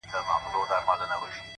o سیاه پوسي ده؛ رنگونه نسته؛